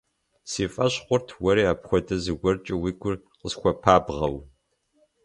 Си фӀэщ хъурт уэри апхуэдэ зыгуэркӀэ уи гур къысхуэпабгъэу.